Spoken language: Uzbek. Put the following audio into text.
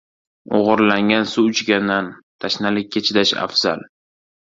• O‘g‘irlangan suv ichgandan tashnalikka chidash afzal.